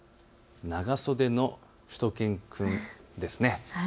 長袖のしゅと犬くんですね。